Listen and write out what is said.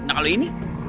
nah kalau ini